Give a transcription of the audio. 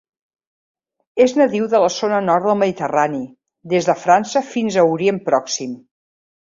És nadiu de la zona nord del Mediterrani, des de França fins a Orient Pròxim.